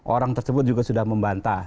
orang tersebut juga sudah membantah